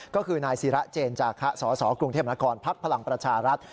ก็คือนายสีระเจนจากสสกรุงเทพนักรณ์ภักดิ์พลังประชารัฐ